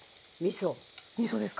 みそですか。